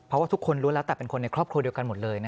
เพราะว่าทุกคนรู้แล้วแต่เป็นคนในครอบครัวเดียวกันหมดเลย